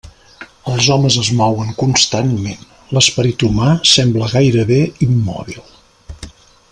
Els homes es mouen constantment, l'esperit humà sembla gairebé immòbil.